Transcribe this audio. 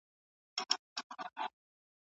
د سترګو